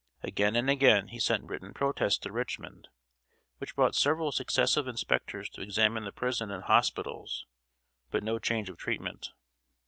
Again and again he sent written protests to Richmond, which brought several successive inspectors to examine the prison and hospitals, but no change of treatment.